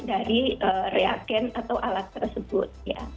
dari reagens atau alat tersebut ya